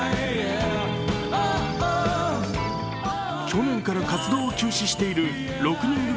去年から活動を休止している６人組